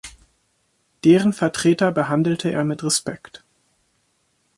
Deren Vertreter behandelte er mit Respekt.